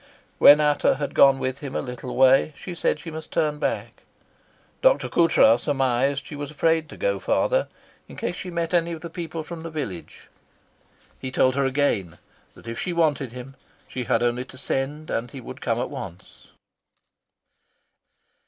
When Ata had gone with him a little way she said she must turn back. Dr. Coutras surmised she was afraid to go farther in case she met any of the people from the village. He told her again that if she wanted him she had only to send and he would come at once.